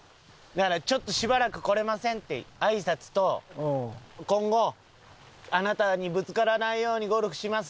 だからちょっとしばらく来れませんってあいさつと今後あなたにぶつからないようにゴルフしますねって。